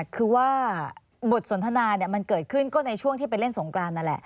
คือว่าบทสนทนามันเกิดขึ้นก็ในช่วงที่ไปเล่นสงกรานนั่นแหละ